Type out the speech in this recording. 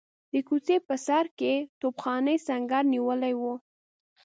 د کوڅې په سر کې توپخانې سنګر نیولی وو.